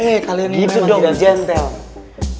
eh kalian ini memang tidak jentel